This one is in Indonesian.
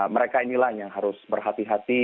mereka inilah yang harus berhati hati